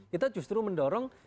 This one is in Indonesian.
kita justru mendorong